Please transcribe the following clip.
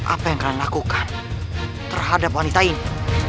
apa yang kalian lakukan terhadap wanita ini